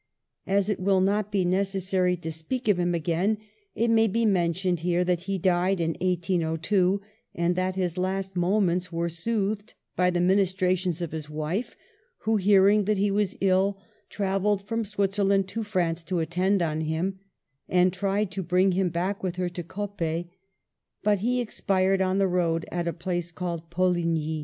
As it will not be necessary to speak of him again, it may be mentioned here that he died in 1802, and that his last moments were soothed by the ministrations of his wife, who, hearing that he was ill, travelled from Switzerland to France to attend on him, and tried to bring him back with her to Coppet ; but he expired on the road at a place called Poligny.